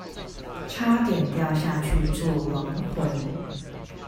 差點掉下去做亡魂